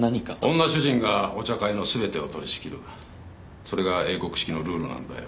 女主人がお茶会のすべてを取りしきるそれが英国式のルールなんだよ